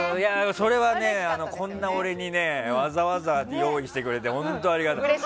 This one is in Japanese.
それはね、こんな俺にわざわざ用意してくれて本当にありがたい。